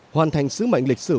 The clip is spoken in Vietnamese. hoàn thành sứ mệnh lịch sử